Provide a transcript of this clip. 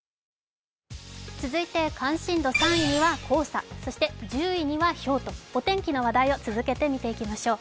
続いて関心度３位は黄砂、そして１０位にはひょうとお天気の話題を続けてみていきましょう。